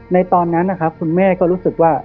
ในตอนนั้นคุณแม่ก็รู้สึกว่า